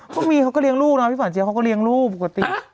ก็มีเขาก็เลี้ยงลูกนะพี่ป่าเจี๊ยเขาก็เลี้ยงลูกปกติ